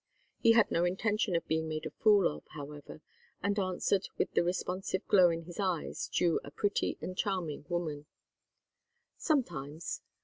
He had no intention of being made a fool of, however, and answered with the responsive glow in his eyes due a pretty and charming woman: "Sometimes.